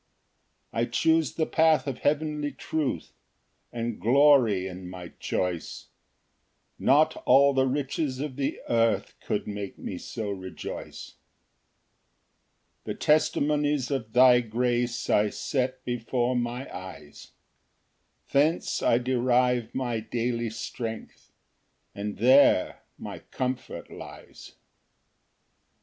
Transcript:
2 I choose the path of heavenly truth, And glory in my choice: Not all the riches of the earth Could make me so rejoice. 3 The testimonies of thy grace I set before my eyes; Thence I derive my daily strength, And there my comfort lies. Ver.